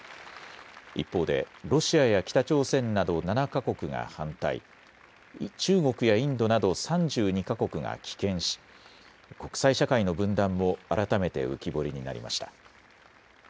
一方でロシアや北朝鮮など７か国が反対、中国やインドなど３２か国が棄権し国際社会の分断も改めて浮き彫りになりました。